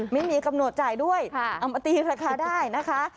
ไม่มีกำหนดจ่ายด้วยเอามาตีราคาได้นะคะ